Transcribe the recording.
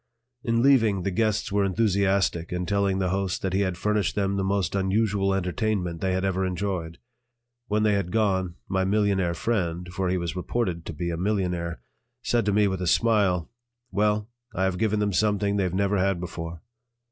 In leaving, the guests were enthusiastic in telling the host that he had furnished them the most unusual entertainment they had ever enjoyed. When they had gone, my millionaire friend for he was reported to be a millionaire said to me with a smile: "Well, I have given them something they've never had before."